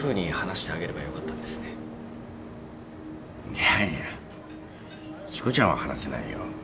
いやいやしこちゃんは話せないよ。